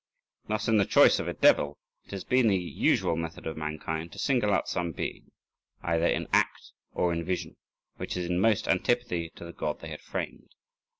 Thus in the choice of a devil it has been the usual method of mankind to single out some being, either in act or in vision, which was in most antipathy to the god they had framed.